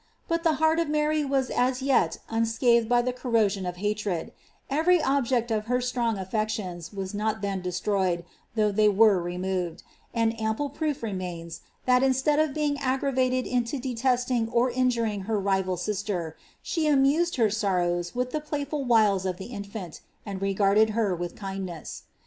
But the heart of Mary wm aa yel » acathed by the corrosion of hatred — every oliject of her atrong aAetmi was not then destroyed, though they were removed j and ample proof remains, that, instead of being aggiavated into detestm^ or iignitiy kr rival sister, she amused her aorrowa with the playful wdea of the in6ili and regarded her with kindness.